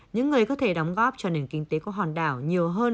những người có thể đóng góp cho nền kinh tế của hòn đảo nhiều hơn